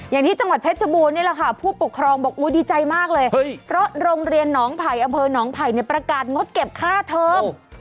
อย่างที่จังหวัดเพชรบูรณนี่แหละค่ะผู้ปกครองบอกดีใจมากเลยเพราะโรงเรียนหนองไผ่อำเภอหนองไผ่เนี่ยประกาศงดเก็บค่าเทอม